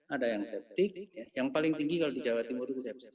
ada yang septic yang paling tinggi kalau di jawa timur itu sepsi